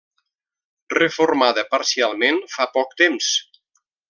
Reformada parcialment fa poc temps.